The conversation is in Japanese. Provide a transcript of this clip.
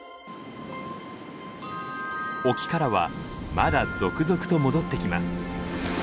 沖からはまだ続々と戻ってきます。